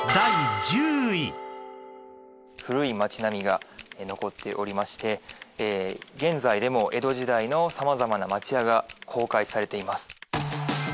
古い町並みが残っておりまして現在でも江戸時代の様々な町屋が公開されています。